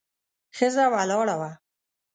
ښځه ولاړه وه.